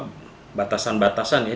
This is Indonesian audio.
dia tidak bisa bergerak seperti polisi